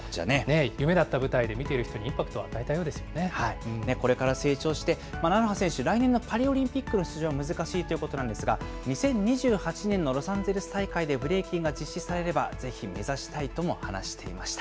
夢だった舞台で見てる人にイこれから成長して、なのは選手、来年のパリオリンピックの出場は難しいということなんですが、２０２８年のロサンゼルス大会でブレイキンが実施されれば、ぜひ目指したいとも話していました。